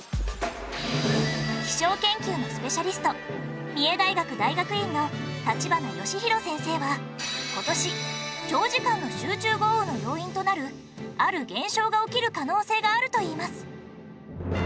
気象研究のスペシャリスト三重大学大学院の立花義裕先生は今年長時間の集中豪雨の要因となるある現象が起きる可能性があるといいます。